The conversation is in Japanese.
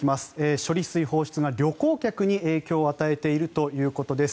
処理水放出が旅行客に影響を与えているということです。